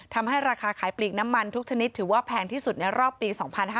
ทำให้ราคาขายปลีกน้ำมันทุกชนิดถือว่าแพงที่สุดในรอบปี๒๕๕๙